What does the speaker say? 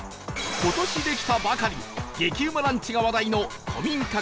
今年できたばかり激うまランチが話題の古民家